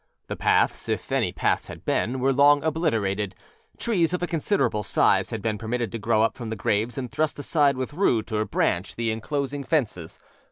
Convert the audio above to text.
The paths, if any paths had been, were long obliterated; trees of a considerable size had been permitted to grow up from the graves and thrust aside with root or branch the inclosing fences.